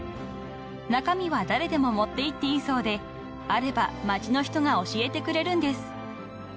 ［中身は誰でも持っていっていいそうであれば町の人が教えてくれるんです］